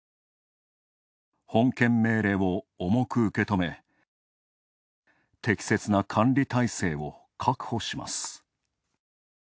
本件命令を重く受け止め、適切な管理態勢を確保します。